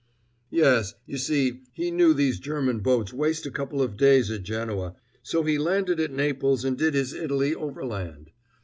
"Yes; you see, he knew these German boats waste a couple of days at Genoa, so he landed at Naples and did his Italy overland.